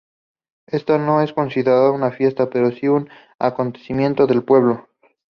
Esta no es considerada una fiesta, pero si un acontecimiento del pueblo.